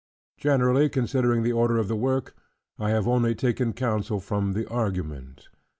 Generally concerning the order of the work, I have only taken counsel from the argument.